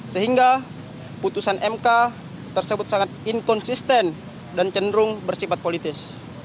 sehingga putusan mk tersebut sangat inkonsisten dan cenderung bersifat politis